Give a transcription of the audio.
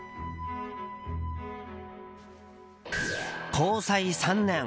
交際３年。